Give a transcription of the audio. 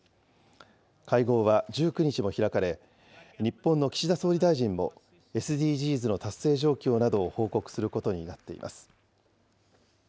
会合は１９日も開かれ、日本の岸田総理大臣もＳＤＧｓの達成状況などを報告することになっています。